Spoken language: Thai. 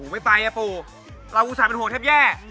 ไม่ไปอ่ะปู้เราอุตส่าห์เป็นห่วงแทบแย่